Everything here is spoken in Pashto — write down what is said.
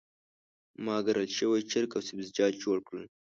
ما ګرل شوي چرګ او سبزیجات جوړ کړل.